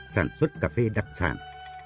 sản xuất cà phê đặc sản